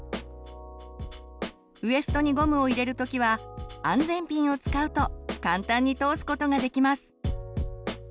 ウエストにゴムを入れる時は安全ピンを使うと簡単に通すことができます。